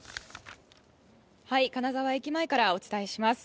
金沢駅前からお伝えします。